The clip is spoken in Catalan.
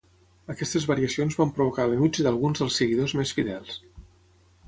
Aquestes variacions van provocar l'enuig d'alguns dels seguidors més fidels.